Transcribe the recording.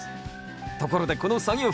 ところでこの作業服